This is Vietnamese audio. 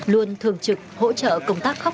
luôn thường trực hỗ trợ công tác khóc